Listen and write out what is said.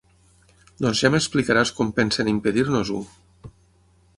Doncs ja m'explicaràs com pensen impedir-nos-ho.